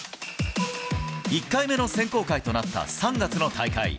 １回目の選考会となった３月の大会。